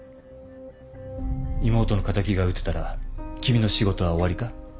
妹の敵が討てたら君の仕事は終わりか？